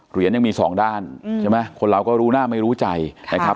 เหรียญยังมีสองด้านใช่ไหมคนเราก็รู้หน้าไม่รู้ใจนะครับ